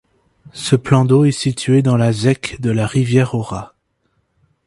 Ce plan d’eau est situé dans la zec de la Rivière-aux-Rats.